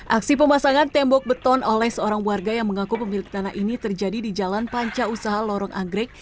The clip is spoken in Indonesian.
aksi pemasangan tembok beton oleh seorang warga yang mengaku pemilik tanah ini terjadi di jalan panca usaha lorong anggrek